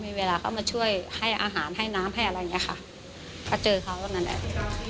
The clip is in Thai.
มีเวลาเข้ามาช่วยให้อาหารให้น้ำให้อะไรอย่างเงี้ยค่ะก็เจอเขานั่นแหละ